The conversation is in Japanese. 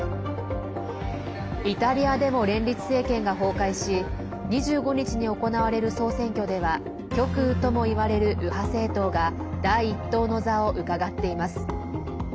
イタリアでも連立政権が崩壊し２５日に行われる総選挙では極右ともいわれる右派政党が第１党の座をうかがっています。